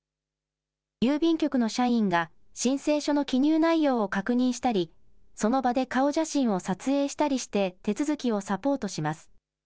郵便局の社員が申請書の記入内容を確認したり、その場で顔写真を撮影したりして、手続きをサポートします。